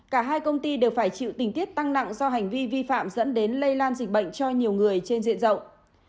cả hai công ty đều phải chịu tình tiết tăng nặng do hành vi vi phạm dẫn đến lây lan dịch bệnh cho nhiều người trên diện rộng